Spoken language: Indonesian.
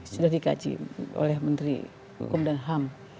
sudah dikaji oleh menteri hukum dan ham